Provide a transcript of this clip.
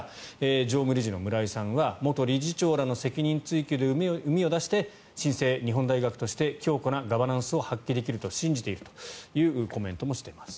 常務理事の村井さんは元理事長らの責任追及でうみを出して新生日本大学として強固なガバナンスを発揮できると信じているというコメントもしています。